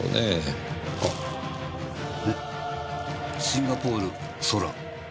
「シンガポール空」。